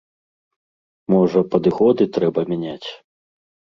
Можа, падыходы трэба мяняць?